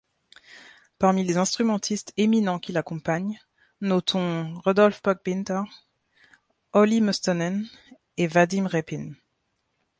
Parmi les instrumentistes éminents qu'il accompagne, notons Rudolf Buchbinder, Olli Mustonen et Vadim Repin.